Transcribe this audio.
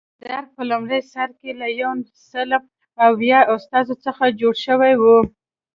درګ په لومړي سر کې له یو سل اوه استازو څخه جوړ شوی و.